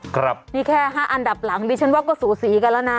ครับนี่แค่ห้าอันดับหลังดิฉันว่าก็สูสีกันแล้วนะ